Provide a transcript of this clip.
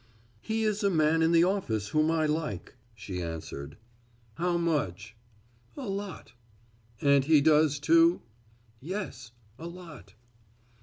"He is a man in the office whom I like," she answered. "How much?" "A lot." "And he does, too?" "Yes, a lot."